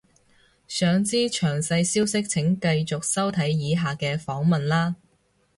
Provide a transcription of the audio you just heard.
想知詳細消息請繼續收睇以下嘅訪問喇